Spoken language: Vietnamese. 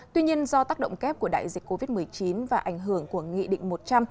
tuy nhiên do tác động kép của đại dịch covid một mươi chín và ảnh hưởng của nghị định một trăm linh